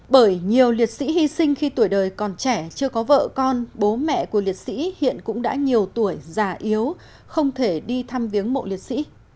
bởi nhiều liệt sĩ hy sinh khi tuổi đời còn trẻ chưa có vợ con bố mẹ của liệt sĩ hiện cũng đã nhiều tuổi già yếu không thể đi thăm viếng mộ liệt sĩ